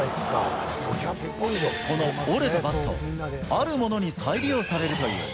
この折れたバット、あるものに再利用されるという。